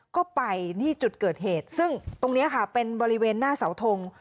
ก็ไปที่จุดเกิดเหตุซึ่งตรงนี้ค่ะเป็นบริเวณหน้าเสาทง